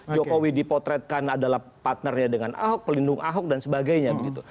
jadi dipotretkan adalah partnernya dengan ahok pelindung ahok dan sebagainya begitu